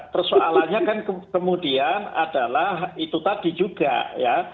persoalannya kan kemudian adalah itu tadi juga ya